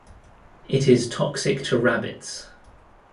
It is toxic to rabbits.